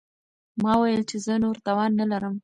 ما وویل چې زه نور توان نه لرم.